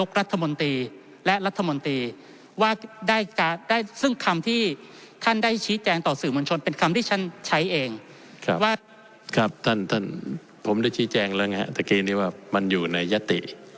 ครับท่านท่านผมได้ชี้แจงแล้วไงฮะตะกี้นี้ว่ามันอยู่ในยศติ